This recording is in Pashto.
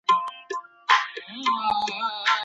د ویني ویستل څه ګټه لري؟